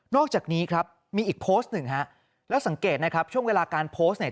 อกจากนี้ครับมีอีกโพสต์หนึ่งฮะแล้วสังเกตนะครับช่วงเวลาการโพสต์เนี่ย